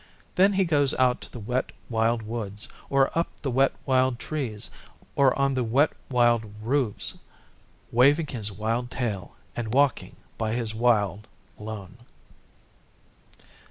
Then he goes out to the Wet Wild Woods or up the Wet Wild Trees or on the Wet Wild Roofs, waving his wild tail and walking by his wild lone.